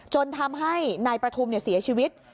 จนทำให้นายประทุมเสียชีวิต